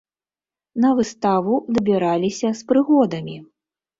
На выставу дабіраліся з прыгодамі.